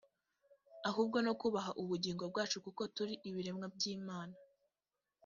ahubwo no kubaha ubugingo bwacu kuko turi ibiremwa by’imana